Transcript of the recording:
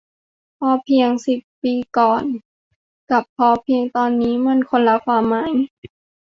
พอเพียง เมื่อสิบปีก่อน กับ พอเพียง ตอนนี้ มันก็คนละความหมาย